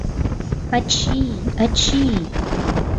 Ачий, ачий!..